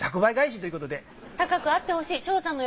高くあってほしい。